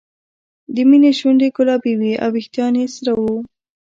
د مینې شونډې ګلابي وې او وېښتان یې سره وو